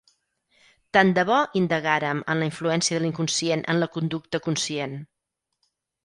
Tant de bo indagàrem en la influència de l'inconscient en la conducta conscient!